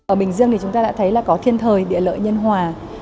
ở bình dương thì chúng ta đã thấy là có thiên thời địa lợi nhân hòa